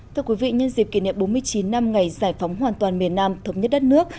thưa quý vị nhân dịp kỷ niệm bốn mươi chín năm ngày giải phóng hoàn toàn miền nam thống nhất đất nước